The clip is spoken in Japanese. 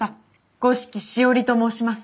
五色しおりと申します。